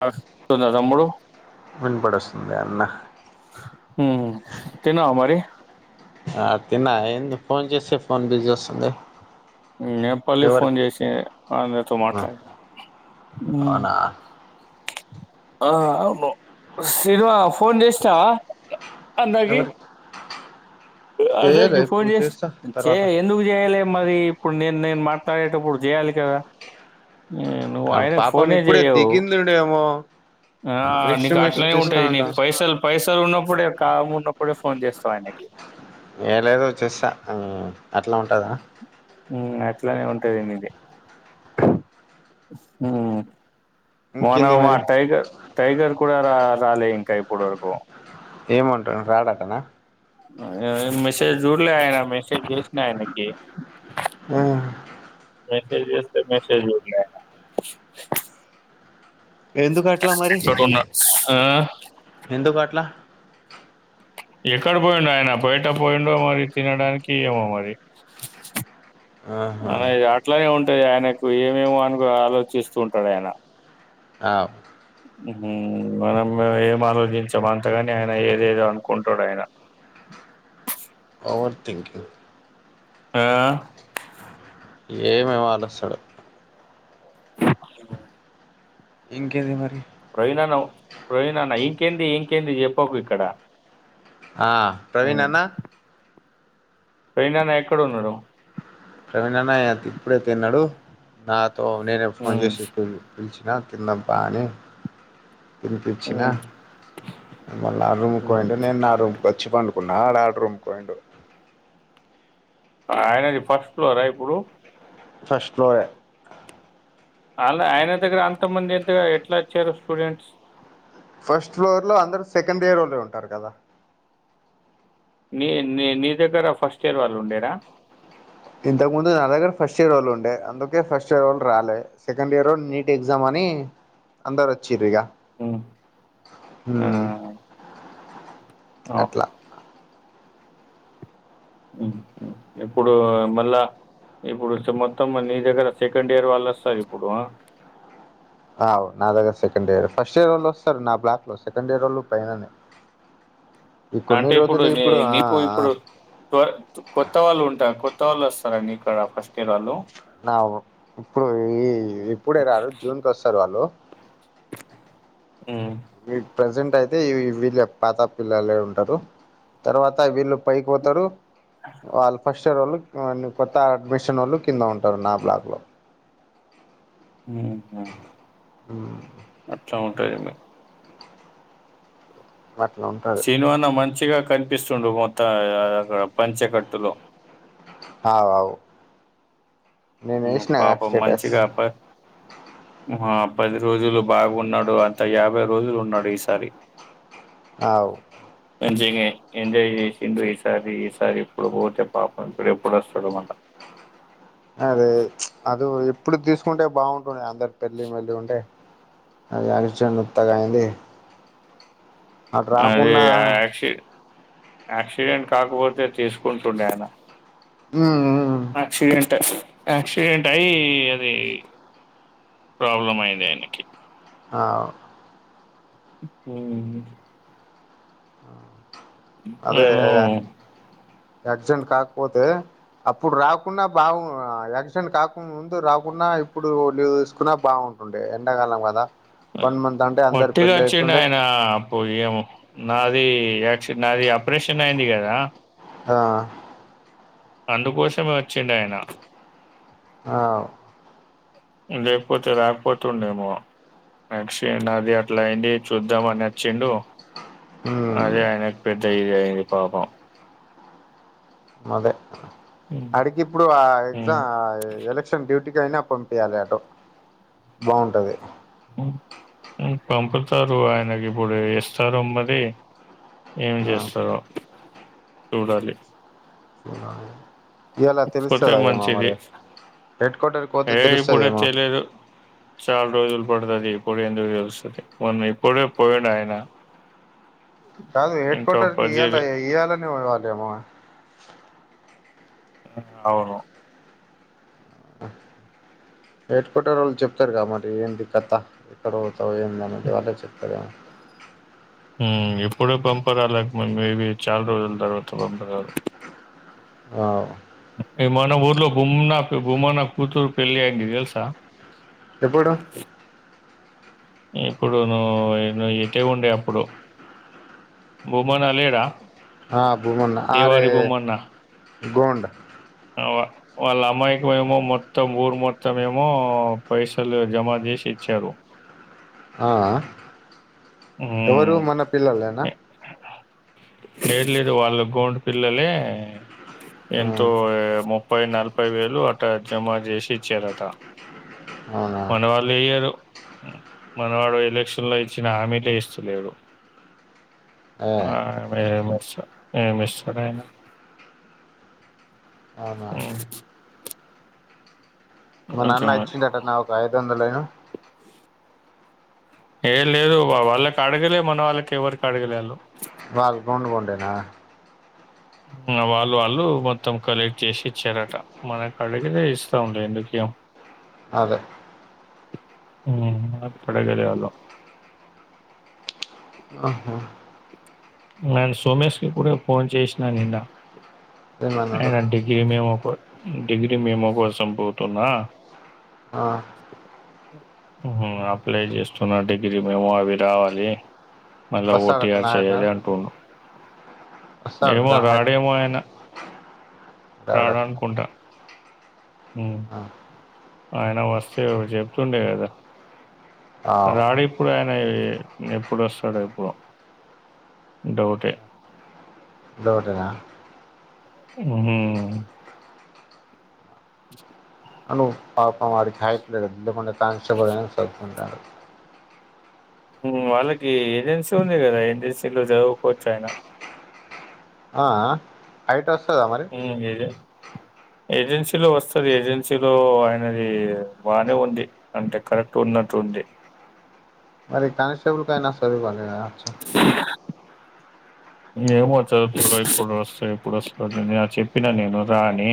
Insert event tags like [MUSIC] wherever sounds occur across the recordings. [UNINTELLIGIBLE] వినపడొస్తుంది అన్న ఉమ్ తిన్నావా మరి ఆ తిన్నా ఏంది ఫోన్ చేసే ఫోన్ బిజీ వస్తుంది నేన్ పళ్ళీ ఫోన్ ఎవరికి చేసి ఆమెతో ఆ మాట్లాడినా ఉమ్ అవునా ఆ అవును శివా ఫోన్ చేసినవా అన్న కి ఎవరికి అదే చేయలే ఇంగ ఫోన్ ఇప్పుడు చేస్ చేస్తా తర్వాత చే-చేయల ఎందుకు చేయలే మరి ఇప్పుడు నేను నేను మాట్లాడేటప్పుడు చేయాలి కదా ఉహూ నువ్వు ఆడు ఆయన పాపం ఫోనే ఇప్పుడే చెయవు దిగిందుడేమో ఆ రెస్ట్ నీకు మెస్ట్ అట్లనే ఉంటాయి నీకు తీసుకునింటాం పైసల్ పైసలు ఉన్నప్పుడే కామ్ ఉన్నప్పుడే ఫోన్ చేస్తావ్ ఆయనకి ఏ లేదు చేస్తా ఆ అట్లా ఉంటదా ఉమ్ అట్లనే ఉంటది నీది ఉమ్ మొన్న ఇంకేంది మా మరి టైగర్ టైగర్ కూడా రా రాలే ఇంకా ఇప్పుడు వరకు ఏమంటానాడు రాడంటన ఆ మెసేజ్ జూడలే అయన మేసేజ్ చేసిన ఆయనకి ఆహా మెసేజ్ చేస్తే మెసేజ్ చూడలే ఆయనా ఎందుకు అట్లా మరి ఆ ఎందుకు అట్లా ఎక్కడ పోయిండో ఆయన బయట పోయిండో మరి తినడానికి ఏమో మరి ఆహా అనా ఇగా ఆట్లనే ఉంట్ అంటే ఆయనకు ఏమేమో అని ఆలోచిస్తూ ఉంటాడు ఆయన ఆ ఉహ్మ్ మనం ఏం ఆలోచించాం అంతగాని ఆయన ఏదేదో అనుకుంటాడు ఆయన ఓవర్ థింకింగ్ ఆ ఏమేమి ఆలోస్తాడో అ ఇంకేంది మరి ప్రవీణ్ అన్న ప్రవీణ్న్న ఇంకేంది ఇంకేంది చెప్పకు ఇక్కడ ఆ ప్రవీణ్ అన్న ప్రవీనన్న ఎక్కడ ఉన్నాడు ప్రవీణ్ అన్నయ అంత ఇప్పుడే తిన్నాడు నా తో నేను ఫోన్ ఉమ్, చేసి ఇప్పు పిలిచినా తిన్న బానే తినిపించినా ఉమ్, మళ్ళీ నా ఉమ్. రూమ్కియింట నేను నా రూమ్కి వచ్చి పండు ప్పున్నాడు ఆడ్ రూంకి పోయిండు ఆయనది ఫస్ట్ ఫ్లోరా ఇప్పుడు ఫస్ట్ ఫ్లోర అలా ఆయన దగ్గర అంత మంది ఎంతగా ఎట్లా వచ్చారు స్టూడెంట్స్ ఫస్ట్ ఫ్లోర్ లో అందరూ సెకండ్ ఎర్లో ఉంటారు కదా నీ నీ నీ దగ్గర ఫస్ట్ ఇయర్ వాళ్ళు ఉండేరా ఇంతకు ముందు నా దగ్గర ఫస్ట్ ఇయర్ వాళ్ళు ఉండే అందుకే ఫస్ట్ ఇయర్ వాళ్ళు రాలేదు సెకండ్ ఇయర్ నీట్ ఎగ్జామ్ అని అందరు వచ్చ్ర ఇగ ఉమ్, హ ఆ, అట్లా అవునా ఇప్పుడు మళ్ళా ఇప్పుడు మొత్తం నీ దగ్గర సెకండ్ ఇయర్ వాళ్ళు వస్తారు ఇప్పుడు ఆవ్ నా దగ్గర సెకండ్ ఇయర్ ఫస్ట్ ఇయర్ వాళ్ళు వస్తారు నా బ్లాక్ లో సెకండ్ ఇయర్ వాళ్ళు పైననే ఈ కొన్ని అంటే ఇప్పుడు రోజులు నీ ఆ నీకు ఆ ఇప్పుడు కొత్త వాళ్ళు ఉంటా కొత్త వాళ్ళు వస్తారా నీకు ఇక్కడ ఫస్ట్ ఇయర్ వాళ్ళు నా ఇప్పుడు ఈ ఇప్పుడే రారు జూన్కి వస్తారు వాళ్ళు అ ప్రజెంట్ అయితే ఈ వీళ్ళ పాత పిల్లలే ఉంటారు తర్వాత వీళ్ళు పైకి పోతారు అల్ఫస్టర్ వాళ్ళు కొ అండి కొత్త అడ్మిషన్ వోళ్ళు కింద ఉంటారు నా బ్లాక్ లో హు మ్మ్ అట్లా ఉంట [UNINTELLIGIBLE] అట్లా ఉంటది సినిమాన మంచిగా కనిపిస్తుండు మొత్తం త అక్కడ పంచకట్టులో అవు అవు నేను వేసిన పాపం స్టేటస్ మంచిగా హుఅ పది రోజులు బాగున్నాడు అంత యాభై రోజులు ఉన్నాడు ఈసారి అవు ఎంజమె ఎంజాయ్ చేసిండడు ఈసారి ఈసారి ఇప్పుడు పోతే పాపం ఇప్పుడు ఎప్పుడు వస్తాడొ మల్ల అదే అదో చె ఇప్పుడు తీసుకుంటే బాగుంటుంది అందరు పెళ్లి మళ్ల్లి ఉంటే అది అరిచెను ఉత్తగా అయింది అటు అదే రాకుండా యాక్షడ్ యాక్సిడెంట్ కాకపోతే తీసుకుంటుండే ఆయన హుమ్మ్ ఆక్సిడెంట్ యాక్సిడెంట్ అయ్యి అది ప్రాబ్లం అయియంది ఆయనకి ఆ హు అదే [UNINTELLIGIBLE] యాక్సిడెంట్ కాకపోతే అప్పుడు రాకుండా బాగు యాక్సిడెంట్ కాకుండా ముందు రాకుండా ఇప్పుడు లీవ్ తీసుకున్నా బాగుంటుండే ఎండ కాలం కదా వన్ మంత్ అంటే అందరు వట్టిగా పెళ్ళి వచ్చిండ అయితుండే ఆయన పో ఏమే నాది నాది ఆపరేషన్ అయింది కదా ఆ అందుకోసమే వచ్చిండ ఆయన ఆవు లేకపోతే రకపోతుండేమో నెక్ట్ అది అట్లా అయింది చూద్దామ అని నచ్చిండు అదే ఉమ్ ఆయనకి పెద్ద ఇ ఇది అయింది పాపం అదే అడుగు ఇప్పుడు ఆ ఉమ్. ఎగ్జామ్ ఎలక్షన్ డ్యూటీ ఎనా పంపియాలి అటు బాగుంటది పంపుతారు ఆయనకి ఇప్పుడు ఇస్తారు మరి ఏం ఆ చేస్తారో చూడాలి అవున పోతే మంచిది హెడ్ క్వార్టర్కి పోతే ఏ ఇప్పుడే తెలుస్తదేమో చేయలేరూ చాలా రోజులు పడుతది ఇప్పుడే ఎందుకు తెలుస్తది మొన్న ఇప్పుడే పోయిండు ఆయన కాదు హెడ్ ఇంకా క్వార్టర్ కి పది ఇయాల ఇవ్యాలని ఇవ్వాలేమో అవును ఎట్ కొటర్ వాళ్ళు చెప్తారు కద మరి ఏంటి కథ ఏక్కడో తో ఏందనేది వాల్లె చెప్పారు హ్మ్ ఇప్పుడే పంపర్ అలక మేబీ చాల్ రోజుల తర్వాత పంపరారు అవ్ ఈ మన ఊర్లో గుమ్నా బుమనా కూతురు పెళ్లి అయింది తెల్సా ఎప్పుడు ఇప్పుడు నువ్వు ఇతే ఉండే అప్పుడు బూమన లేడా అ బుమన్నా అరె దేవారి భూమన్న గొండ వా వాళ్ళ అమ్మాయికి ఏమో మొత్తం ఊరు మొత్తం ఏమో పైసలు జమా చేసి ఇచ్చారు ఆ అ ఎవరు హ్మ్ మన పిల్లలేన లేదు లేదు వాళ్ళు గోండు పిల్లలె ఆ ఎంతో ఏమో ముప్పై నలభై వేయిలు అట జమా చేసి ఇచ్చారట అవునా మన వాళ్ళు ఇయ్యారు మనవాడు ఎలక్షన్ లో ఇచ్చిన హామీ చేస్తా లేడు ఏ ఆ మ [INAUDIBLE] సా ఎమ్ ఇస్తారో ఏమో అవునా మా నాన్న కొంచెం ఇచ్చిండట నా ఒక ఐదు వందలేనో ఏ లేదు వాళ్ళకి అడగలే మన వాళ్ళకి ఎవరికి అడగలే వాళ్ళు అంతేనా వాళ్ళు వాళ్ళు మొత్తం కలెక్ట్ చేసి ఇచ్చారట మన కాడికి ఇస్తాఎందుకు ఇయ్యం అదె హు మనకు కడగాలే వాళ్ళు అహా నేను సోమేష్ కి కూడా ఫోన్ చేసినా నిన్న ఏమన్నాడు అయనంటికి ఏమేమో కో డిగ్రీ మెమో కోసం పోతున్న ఆ [INAUDIBLE] ఉహు అప్లై చేస్తున్న డిగ్రీ మెమో అవి రావాలి మల్ల ఓటు వస్తాడట నా చేయాల హైదరాబాద్ పోను వస్తాడట ఏమో నా హైదరాబాద్ రాడేమో ఆయన రాడట రాడనుకుంటా ఉహు ఆయన వస్తే చెప్తుండే కదా ఆ అవ్ రాడిప్పుడు ఆయనే ఈ ఎప్పుడు ఒస్తాడు ఇపో డౌటే డౌటేనా ఉహు అను పాపం అడికి హయట్లే దా లేకుంటే తాతే బడైనా సా ఉంటారు వాళ్ళకి ఏజెన్సీ ఉంది కదా ఏజెన్సీలో చదువుకోవచ్చు ఆయన ఆహా హైటస్ అహు ఇదే ఏజెన్సీలో వస్తుంది ఏజెన్సీలో ఆయనది బాగానే ఉంది అంటే కరెక్ట్ ఉన్నట్టు ఉంది. మరి కనీటబలు కైనా సవిల అచ్చ ఏమ వచ్చదు చడు ఇప్పుడు వస్తంది ఇప్పుడు వస్తంది నను చెప్పినా నేను రాని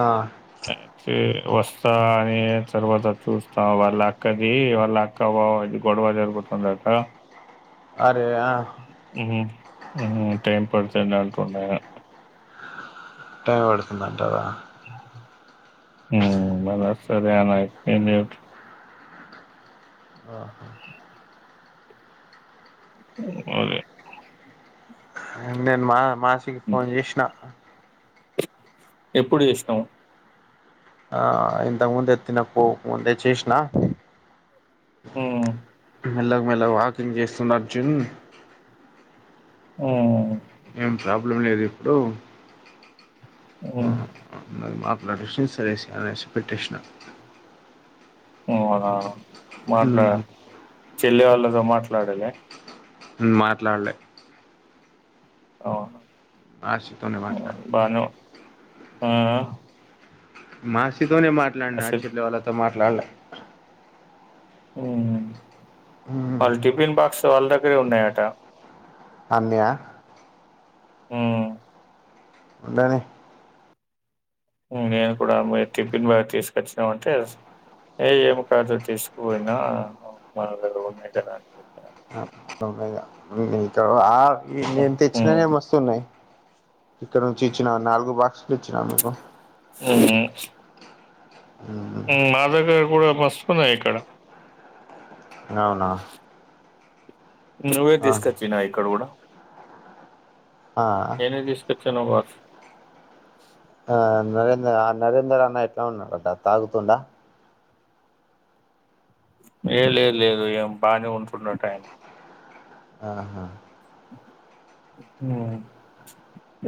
ఆ అే వస్తా అని తర్వాత చూస్తా వాళ్ళ అక్కది వాళ్ళు అక్కవా ఇది గొడవ జరుగుతుందిక్క అ అే టైం పడుతుంట ఉన్నా టైం పడుతుందంటదా హ మన సర అన అదే నేను మా మాసికి ఫోన్ చేసినా ఎప్పుడు ఇష్టాము ఆ ఇంతకు ముందె తినకు ముందే చేసిన ఆ మెల్లగా మెల్లగా వాకింగ్ చేస్తున్నారు అర్జున్ ఆ ఏం ప్రాబ్లం లేదు ఇప్పుడు అవును మాట్లాడే సరేసి అనేసి పెట్టేసిన ఆఓ హ చెల్లి వాళ్ళతో మాట్లాడాలి మాట్లాడలే ఆ అ చెతనేయవాట్లా ఆ మాస నే మాట్లాడి నా అసలు చెట్ల వాళ్లతో మాట్లా అలాళ ఆఓ మల్టీపన్ బక్ వాళ్ళ దగ్గరే ఉన్నాయట అంద్య ఆ ఎంటనే నేను కూడా మీ టిఫిన్ బాగా తీసుకొచ్చినా అంటే ఏ ఏమి కాదు తీసుకుపోయినా మా దగ్గర ఉన్నాయి కదా అని చెప్పిన. సమే ఆ ఈ నేను తెచ్చినా హ్మ్. ఏం వస్తున్నాయి. చక్కడ నుంచి ఇచ్చిన నాలుగు బాక్స్. నచ్చిన మీకు హ్మ్. ఉ మా దగ్గ కూడా మస్తుకున్నాయి ఇక్కడ అవునా నువ్వే ఆ తీసుకొచ్చిన ఇక్కడ కూడా ఆ ఏను తీస్త ధన్వాద్ ఆ నరేంద్ర ఆ నరేంద్ర అన్న ఎట్లా ఉన్నాడుట తాగుతుడా ఏ లేదు లేదు ఏం బాగా ఉంచున్నట్టు ఆయన ఆహా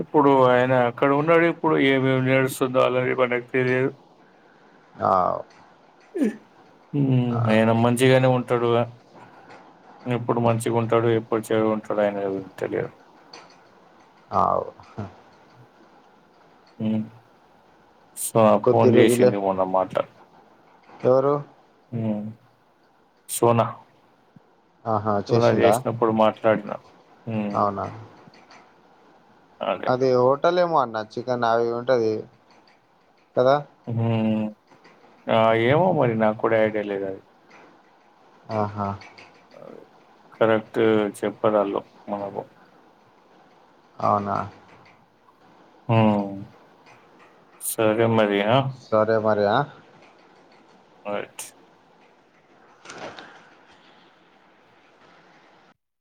ఇప్పుడు ఆయన అక్కడ ఉన్నాడు ఇప్పుడు ఏమేమి నడుస్తుందో అలా మనకి తెలియదు ఆ ఆ అయన మంచిగానే ఉంటాడుగా ఎప్పుడు మంచిగా ఉంటాడు ఎప్పుడు చెరు ఉంటాడు అయన తెలియదు ఆ అ కొద్ది ఫోన్ రోజులే చేసింది పోన్నమాట ఎవరు సోనా ఆహా చూన చేసిందా చేసినప్పుడు మాట్లా రాట్నా అవునా అదే హోటల్ ఏమాన్ నచ్చిక నావి ఉంటది కదా ఏమో మరి నాకు కూడా ఏడ లేదు అది ఆహా కరెక్ట్ చెప్పదళ్ళు మనకు అవునా హ సరే మరి ఆ సరే మరియా ఆట్